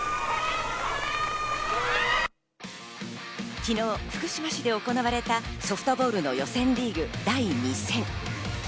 昨日、福島市で行われたソフトボールの予選リーグ第２戦。